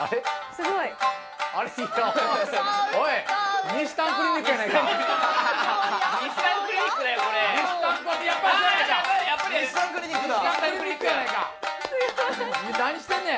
すごい！何してんねん。